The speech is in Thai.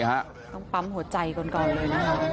นี่ฮะต้องปั๊มหัวใจก่อนเลยนะครับ